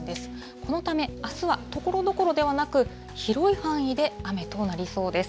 このため、あすはところどころではなく、広い範囲で雨となりそうです。